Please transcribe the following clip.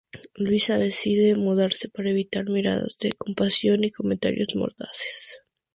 Luisa decide mudarse para evitar miradas de compasión y comentarios mordaces.